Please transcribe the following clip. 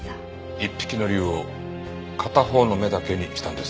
１匹の龍を片方の目だけにしたんですね。